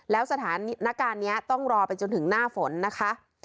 แล้วสถานการณ์นี้ต้องรอไปจนถึงหน้าฝนนะคะ